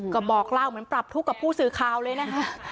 ก็บอกเล่าเหมือนปรับทุกข์กับผู้สื่อข่าวเลยนะ